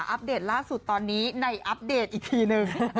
อัปเดตล่าสุดตอนนี้ในอัปเดตอีกทีนึง